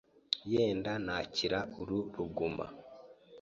Yenda nakira uru ruguma.